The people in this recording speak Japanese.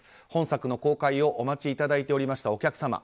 本作の公開をお待ちいただいておりましたお客様